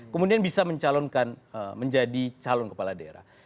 kemudian bisa mencalonkan menjadi calon kepala daerah